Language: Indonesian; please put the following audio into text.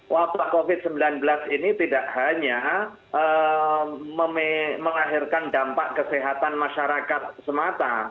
wabah covid sembilan belas ini tidak hanya melahirkan dampak kesehatan masyarakat semata